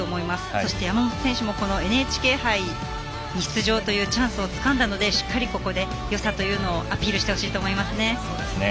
そして山本選手もＮＨＫ杯に出場というチャンスをつかんだのでしっかりとここでよさというのをアピールしてほしいと思います。